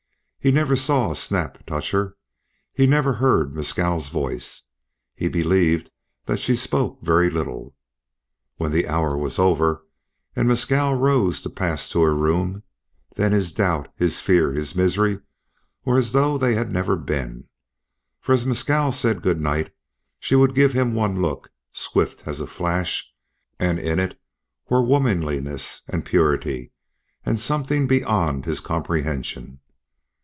He never saw Snap touch her; he never heard Mescal's voice; he believed that she spoke very little. When the hour was over and Mescal rose to pass to her room, then his doubt, his fear, his misery, were as though they had never been, for as Mescal said good night she would give him one look, swift as a flash, and in it were womanliness and purity, and something beyond his comprehension.